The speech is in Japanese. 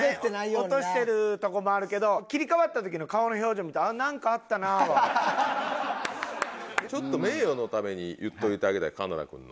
落としてるとこもあるけど切り替わった時の顔の表情見て「なんかあったな」は。ちょっと名誉のために言っておいてあげたい金田君の。